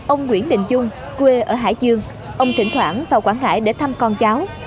ông nguyễn định dung quê ở hải dương ông thỉnh thoảng vào quảng ngãi để thăm con cháu